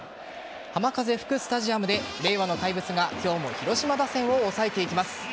浜風吹くスタジアムで令和の怪物が今日も広島打線を抑えていきます。